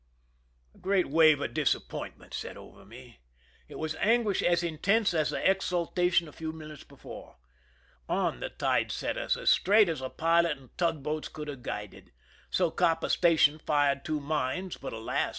A greali wave of disappointment set over me ; it was anguish as intense as the exultation a few minutes before. On the tide set us, as straight as a pilot and tugboats could have guided. Socapa station fired two mines, but, alas